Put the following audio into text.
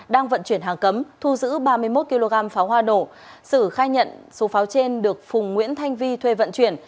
đang vận chuyển hàng cấm thu giữ ba mươi một kg pháo hoa nổ sử khai nhận số pháo trên được phùng nguyễn thanh vi thuê vận chuyển